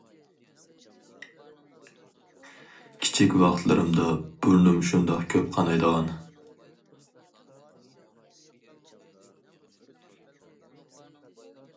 كىچىك ۋاقىتلىرىمدا بۇرنۇم شۇنداق كۆپ قانايدىغان.